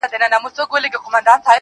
نن پرې را اوري له اسمانــــــــــه دوړي.